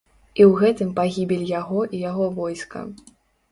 І ў гэтым пагібель яго і яго войска.